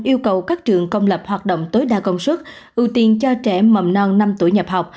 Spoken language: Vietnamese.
yêu cầu các trường công lập hoạt động tối đa công suất ưu tiên cho trẻ mầm non năm tuổi nhập học